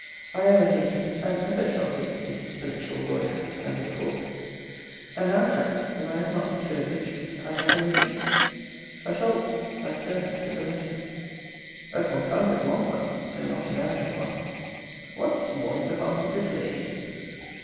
I ever hated, and ever shall hate, these spiritual lawyers, and their court. And now, Jack, if I have not secured victory, I have a retreat. But hold thy servant with a letter A confounded long one, though not a narrative one Once more in behalf of this lady?